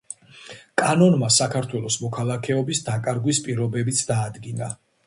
კანონმა საქართველოს მოქალაქეობის დაკარგვის პირობებიც დაადგინა.